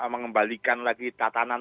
mengembalikan lagi tatanan